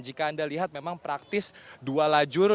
jika anda lihat memang praktis dua lajur